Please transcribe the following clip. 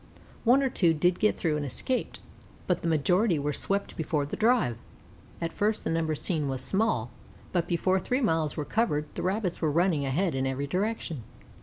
One or two did get through and escaped, but the majority were swept before the drive. At first the number seen was small, but before three miles were covered the Rabbits were running ahead in every direction.